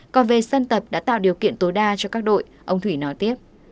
còn về sân tập đã tạo điều kiện tối đa cho các đội ông thủy nói tiếp